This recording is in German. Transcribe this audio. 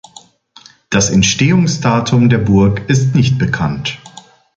Das Entstehungsdatum der Burg ist nicht bekannt.